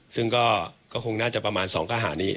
ซึ่งก็คงน่าจะประมาณสองข้าวหน้านี้